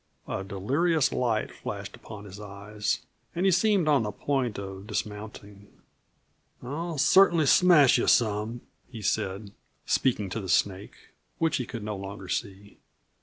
A delirious light flashed suddenly in his eyes, and he seemed on the point of dismounting. "I'll cert'nly smash you some!" he said, speaking to the snake which he could no longer see.